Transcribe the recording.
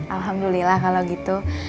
alhamdulillah kalau gitu